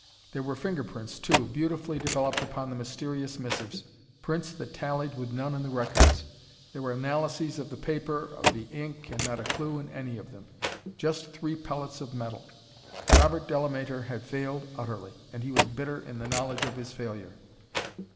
There were fingerprints, too, beautifully developed upon the mysterious missives prints that tallied with none in the records. There were analyses of the paper of the ink and not a clue in any of them. Just three pellets of metal. Robert Delamater had failed utterly, and he was bitter in the knowledge of his failure.